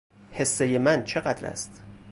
حصۀ من چقدر است